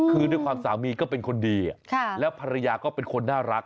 คือด้วยความสามีก็เป็นคนดีแล้วภรรยาก็เป็นคนน่ารัก